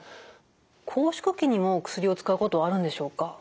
拘縮期にも薬を使うことはあるんでしょうか？